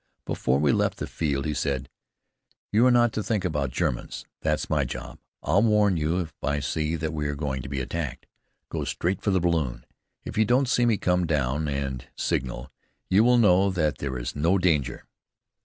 Before we left the field he said: "You are not to think about Germans. That's my job. I'll warn you if I see that we are going to be attacked. Go straight for the balloon. If you don't see me come down and signal, you will know that there is no danger."